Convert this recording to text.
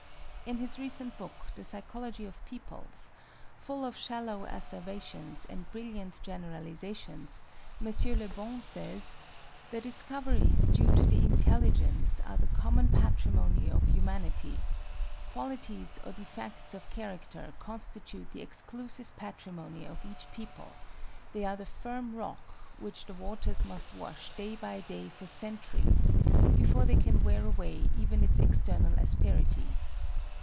In his recent book, full of shallow asseverations and brilliant generalizations, M. LeBon says, "The discoveries due to the intelligence are the common patrimony of humanity; qualities or defects of character constitute the exclusive patrimony of each people: they are the firm rock which the waters must wash day by day for centuries, before they can wear away even its external asperities."